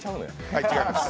はい、違います。